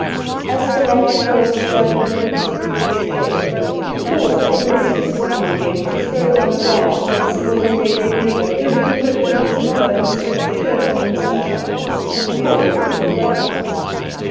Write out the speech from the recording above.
As the long curls gathered in heaps before his plane, he paused for an instant now and again to throw one down to a small naked nigger, who had crept from its mother, who stood churning in the sunshine, and had crawled into the wagon house.